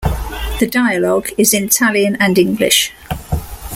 The dialogue is in Italian and English.